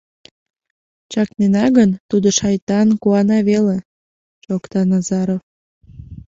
— Чакнена гын, тудо, шайтан, куана веле, — шокта Назаров.